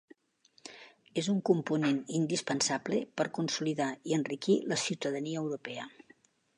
és un component indispensable per consolidar i enriquir la ciutadania europea